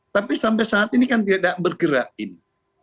tapi sampai saat ini kan tidak bergerak ini